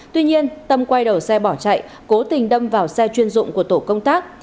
tuy nhiên tâm quay đầu xe bỏ chạy cố tình đâm vào xe chuyên dụng của tổ công tác